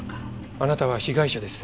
あなたは被害者です。